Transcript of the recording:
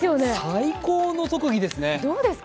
最高の特技ですね。